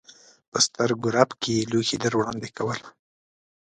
په سترګو رپ کې یې لوښي در وړاندې کول.